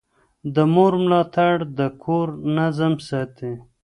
د مور ملاتړ د کور نظم ساتي.